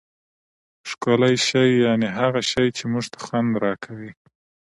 ښکلی شي یعني هغه شي، چي موږ ته خوند راکوي.